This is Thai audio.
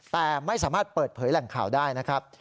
แต่ไม่สามารถเปิดเผยแหล่งข่าวได้นะครับ